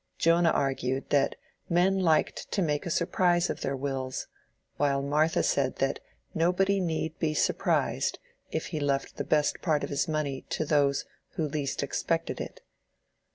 Jonah argued that men liked to make a surprise of their wills, while Martha said that nobody need be surprised if he left the best part of his money to those who least expected it.